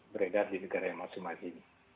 beredar di negara yang masuk masih ini